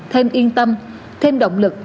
thêm yên tâm thêm động lực